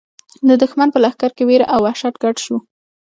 د دښمن په لښکر کې وېره او وحشت ګډ شو.